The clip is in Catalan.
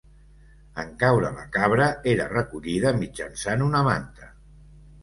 En caure la cabra era recollida mitjançant una manta.